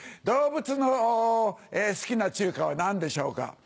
動物の好きな中華は何でしょうか？